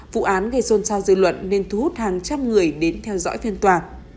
vụ án gây xôn xao dư luận nên thu hút hàng trăm người đến theo dõi phiên tòa